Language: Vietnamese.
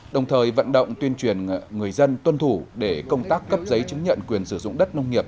đồng thời vận động tuyên truyền người dân tuân thủ để công tác cấp giấy chứng nhận quyền sử dụng đất nông nghiệp